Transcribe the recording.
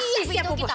wah pas siap bu bos